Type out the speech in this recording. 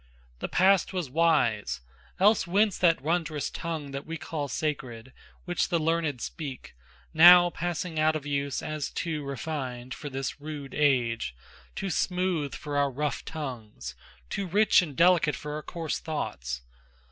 The past was wise, else whence that wondrous tongue That we call sacred, which the learned speak, Now passing out of use as too refined For this rude age, too smooth for our rough tongues, Too rich and delicate for our coarse thoughts.